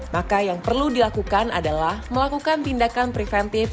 maka yang perlu dilakukan adalah melakukan tindakan preventif